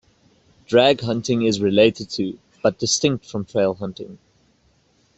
Drag hunting is related to but distinct from trail hunting.